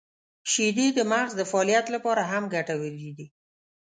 • شیدې د مغز د فعالیت لپاره هم ګټورې دي.